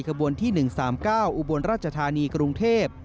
ขบวนที่๑๓๙อุบลราชธานีกรุงเทพ